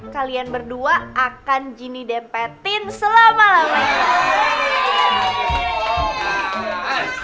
kalian berdua akan gini dempetin selama lamanya